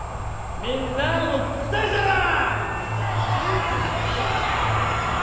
みんなあも聞きたいじゃろう？